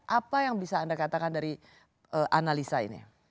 apa yang bisa anda katakan dari analisa ini